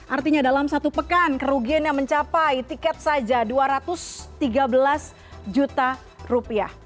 artinya dalam satu pekan kerugiannya mencapai tiket saja rp dua ratus tiga belas